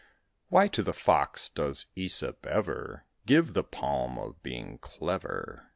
Why to the Fox does Æsop ever Give the palm of being clever?